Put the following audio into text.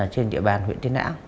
trên địa bàn huyện tây nã